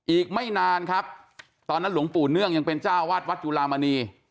อีกไม่นานครับตอนนั้นหลวงปู่เนื่องยังเป็นเจ้าวาดวัดจุลามณี